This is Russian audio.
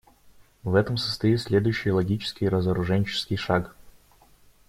В этом состоит следующий логический разоруженческий шаг.